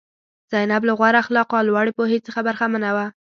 زینب له غوره اخلاقو او لوړې پوهې څخه برخمنه وه.